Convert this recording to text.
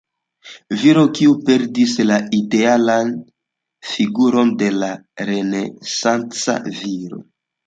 Viroj, kiuj perdis la idealan figuron de la renesanca viro.